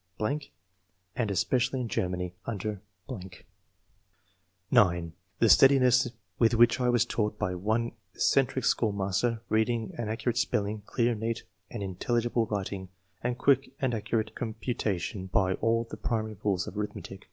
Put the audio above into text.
, and especially in Germany, under ...." (9) " The steadiness with which I was taught by one eccentric schoolmaster reading and ac curate spelling, clear, neat, and intelligible writing, and quick and accurate computation by all the primary rules of arithmetic.